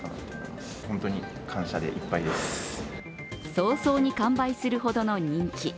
早々に完売するほどの人気。